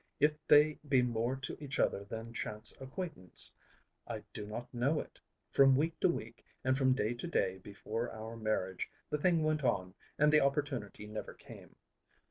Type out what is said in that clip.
"If they be more to each other than chance acquaintance I do not know it. From week to week and from day to day before our marriage the thing went on and the opportunity never came.